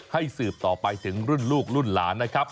สืบต่อไปถึงรุ่นลูกรุ่นหลานนะครับ